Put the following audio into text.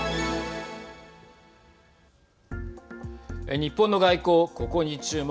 日本の外交、ここに注目。